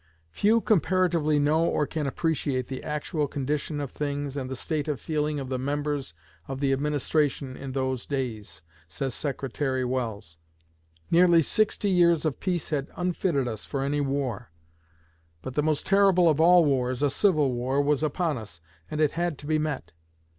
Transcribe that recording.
"Few comparatively know or can appreciate the actual condition of things and the state of feeling of the members of the Administration in those days," says Secretary Welles. "Nearly sixty years of peace had unfitted us for any war; but the most terrible of all wars, a civil war, was upon us, and it had to be met.